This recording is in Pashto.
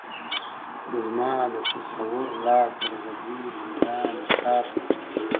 زما د تصور لاس در غځيږي گرانـي تــــاته،